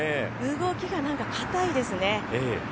動きが硬いですね。